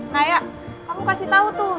naya kamu kasih tau tuh